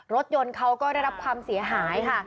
รถยนต์เขาก็ได้รับความเสียหายค่ะ